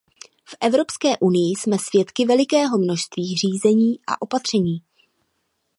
V Evropské unii jsme svědky velikého množství řízení a opatření.